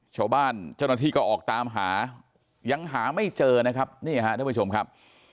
ชาวบ้านเจ้าหน้าที่ก็ออกตามหายังหาไม่เจอนะครับนี่ฮะท่านผู้ชมครับ